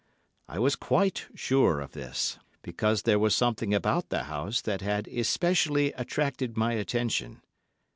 I was quite sure of this, because there was something about the house that had especially attracted my attention.